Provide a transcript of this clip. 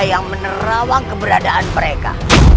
yang menerawang keberadaan mereka